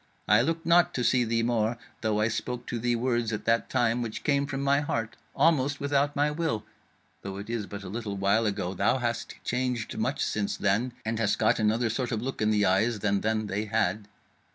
I looked not to see thee more; though I spoke to thee words at that time which came from my heart, almost without my will. Though it is but a little while ago, thou hast changed much since then, and hast got another sort of look in the eyes than then they had.